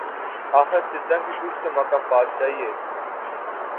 آخر ستم کی کچھ تو مکافات چاہیے